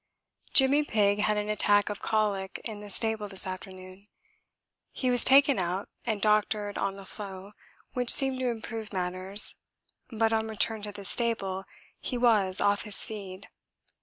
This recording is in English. Jimmy Pigg had an attack of colic in the stable this afternoon. He was taken out and doctored on the floe, which seemed to improve matters, but on return to the stable he was off his feed.